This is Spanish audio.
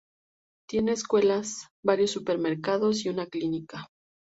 Tiene escuelas, varios supermercados y una clínica.